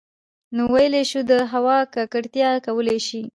نـو ٫ويلـی شـوو د هـوا ککـړتـيا کـولی شـي